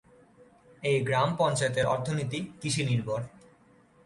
এই গ্রাম পঞ্চায়েতের অর্থনীতি কৃষি নির্ভর।